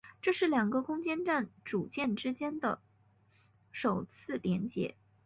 这是两个空间站组件之间的首次连接。